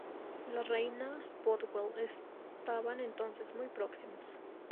La Reina y Bothwell estaban entonces muy próximos.